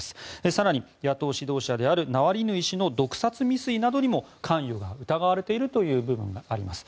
更に野党指導者であるナワリヌイ氏の毒殺未遂などにも関与が疑われているという部分があります。